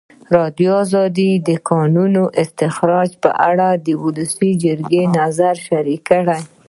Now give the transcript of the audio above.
ازادي راډیو د د کانونو استخراج په اړه د ولسي جرګې نظرونه شریک کړي.